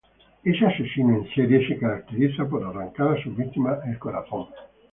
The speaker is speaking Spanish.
Ese asesino en serie se caracteriza en arrancar a sus víctimas su corazón.